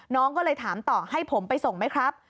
น้องก็เลยถามต่อให้ผมไปส่งไหมครับ